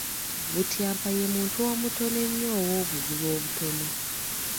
Butyampa ye muntu omutono ennyo ow’obugulu obutono.